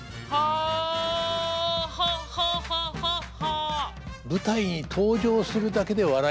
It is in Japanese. ウハハハハハハハ。